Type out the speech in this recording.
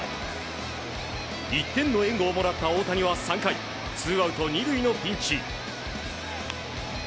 １点の援護をもらった大谷は３回ツーアウト２塁のピンチ。